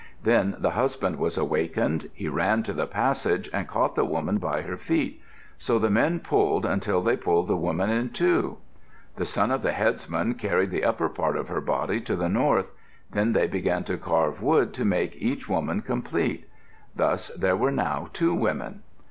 Then the husband was awakened. He ran to the passage and caught the woman by her feet. So the men pulled until they pulled the woman in two. The son of the headsman carried the upper part of her body to the north. Then they began to carve wood to make each woman complete. Thus there were now two women.